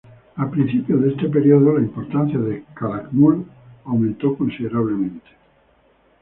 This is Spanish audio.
A principios de este periodo, la importancia de Calakmul aumenta considerablemente.